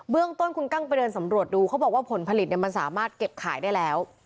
เรื่องต้นคุณกั้งไปเดินสำรวจดูเขาบอกว่าผลผลิตมันสามารถเก็บขายได้แล้ว